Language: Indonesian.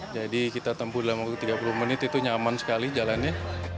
jadi kita tempuh dalam waktu tiga puluh menit itu nyaman sekali jalannya